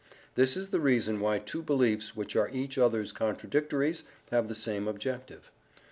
This is the reason why two beliefs which are each other's contradictories have the same objective.